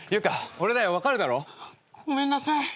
俺だよ分かるだろ？ごめんなさい。